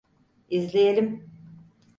İzleyelim.